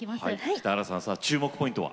北原さん注目ポイントは？